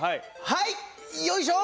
はいよいしょ。